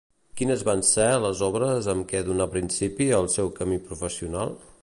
Quines van ser les obres amb què donà principi al seu camí professional?